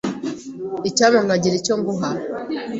Icyampa nkagira icyo nguha.